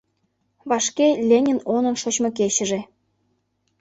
Вашке Ленин онын шочмо кечыже.